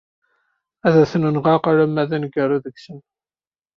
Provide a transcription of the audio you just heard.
Ad ten-nɣeɣ arma d aneggaru deg-sen.